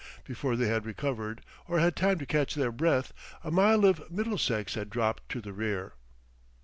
Before they had recovered, or had time to catch their breath, a mile of Middlesex had dropped to the rear.